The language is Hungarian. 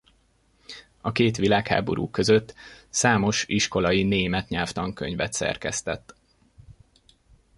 A két világháború között számos iskolai német nyelvtankönyvet szerkesztett.